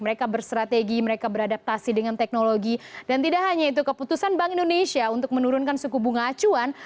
mereka bersrategi mereka beradaptasi dengan teknologi dan tidak hanya itu keputusan bank indonesia untuk menurunkan suku bunga acuan